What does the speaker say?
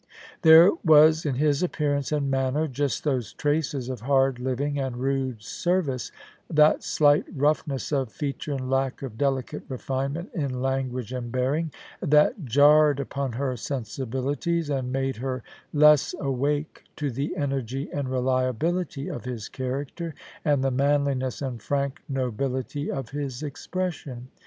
There was in his appearance and manner just those traces of hard living and rude service, that slight roughness of feature and lackof delicatejxffinement in language and bearing, that jarred upon her sensibilities and made her less awake to the energy and reliability of his character, and the manli ness and frank nobility of his expression.